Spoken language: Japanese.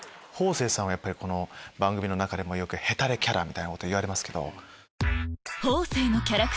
正さんは番組の中でもヘタレキャラみたいなこと言われますけど。